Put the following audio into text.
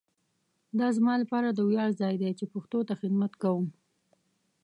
دا زما لپاره د ویاړ ځای دی چي پښتو ته خدمت کوؤم.